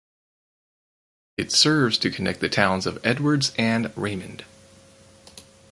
It serves to connect the towns of Edwards and Raymond.